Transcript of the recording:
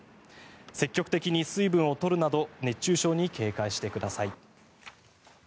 積極的に水分を取るなど熱中症に警戒してください。